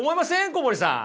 小堀さん。